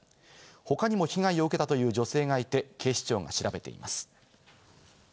他にも被害を受けたという女性がいて、警視庁が調べています。